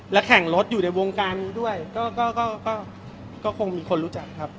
และแข่งรถอยู่ในวงการนี้ด้วยก็คงมีคนรู้จักครับ